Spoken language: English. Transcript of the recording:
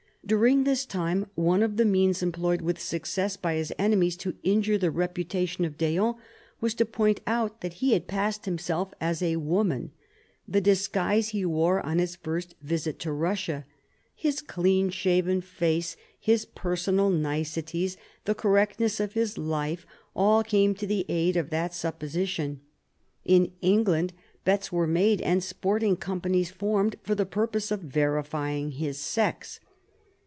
During this time one of the means employed with success by his enemies to injure the reputation of d'Eon, was to point out that he had passed himself as a woman; the disguise he wore on his first visit to Russia. His clean shaven face, his personal niceties, the correctness of his life, all came to the aid of that supposition. In England bets were made and sporting companies formed for the purpose of verifying his sex.